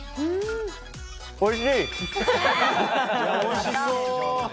おいしい！